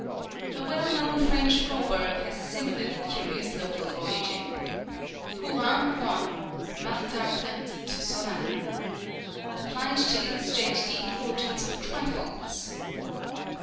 A well known French proverb has a similarly curious local origin :" Pour un point Martin perdit son ane," applied to illustrate the importance of trifles.